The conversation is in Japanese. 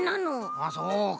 あそうか！